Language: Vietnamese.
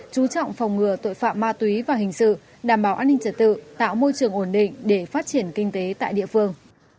chú trọng phòng ngừa tội phạm ma túy và hình sự đảm bảo an ninh trật tự tạo môi trường ổn định để phát triển kinh tế tại địa phương